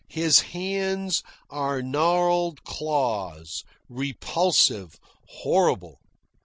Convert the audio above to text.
His hands are gnarled claws, repulsive, horrible.